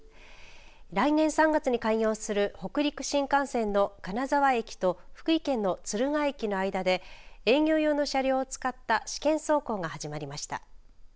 来年３月に開業する北陸新幹線の金沢駅と福井県の敦賀駅の間で営業用の車両を使った試験走行が始まりました。